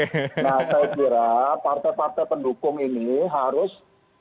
nah saya kira partai partai pendukung ini harus